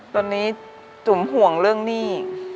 ตอนนี้ฉันห่วงเรื่องนี่